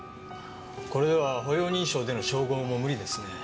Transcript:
これでは歩容認証での照合も無理ですね。